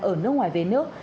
ở nước ngoài về nước